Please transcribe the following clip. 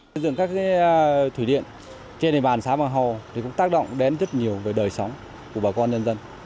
xây dựng các thủy điện trên địa bàn xã bản hồ thì cũng tác động đến rất nhiều về đời sống của bà con dân dân